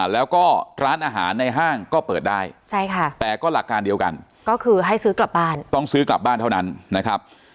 แล้วก็ร้านอาหารในห้างก็เปิดได้แต่ก็หลักการเดียวกันก็คือให้ซื้อกลับบ้านต้องซื้อกลับบ้านเท่านั้นนะครับ